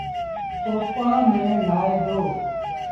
ڪوپآن ميݩ نآئي دو۔